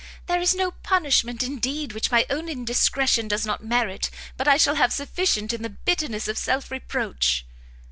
there is no punishment, indeed, which my own indiscretion does not merit, but I shall have sufficient in the bitterness of self reproach!"